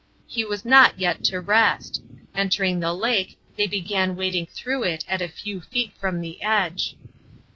He was not yet to rest. Entering the lake, they began wading through it at a few feet from the edge.